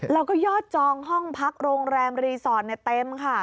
แล้วก็ยอดจองห้องพักโรงแรมรีสอร์ทเต็มค่ะ